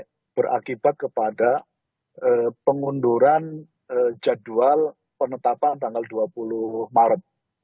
dan sampai berakibat kepada pengunduran jadwal penetapan tanggal dua puluh maret